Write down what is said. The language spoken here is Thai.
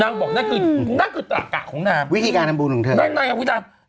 นางบอกนางนางก็เป็นอากาศของนางวิธีการทำบุญของนาง